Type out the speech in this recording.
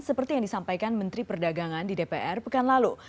seperti yang disampaikan menteri perdagangan di dpr pekan lalu